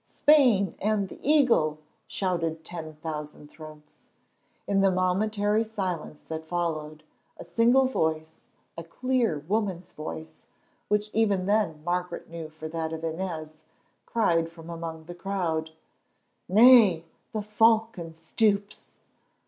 Spain and the Eagle" shouted ten thousand throats. In the momentary silence that followed, a single voice, a clear woman's voice, which even then Margaret knew for that of Inez, cried from among the crowd: "Nay, the Falcon stoops!"